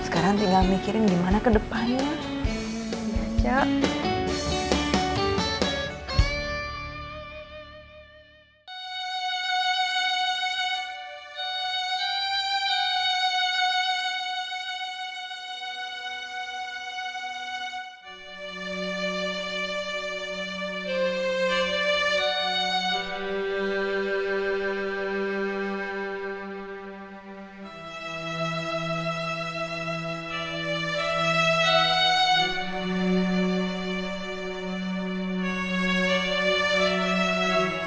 sekarang mendingan kamu duluan ke kantor